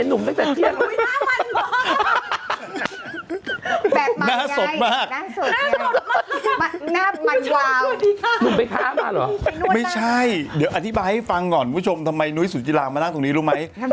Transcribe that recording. หนุ่มไปพามาหรอไม่ใช่เดี๋ยวอธิบายให้ฟังก่อนคุณผู้ชมทำไมนุ้ยสุจิลามานั่งตรงนี้รู้ไหม